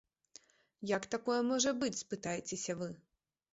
Як такое можа быць, спытаецеся вы?